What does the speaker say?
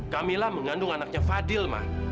kamila mengandung anaknya fadil mah